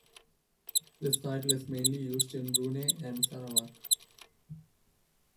This title is mainly used in Brunei and Sarawak.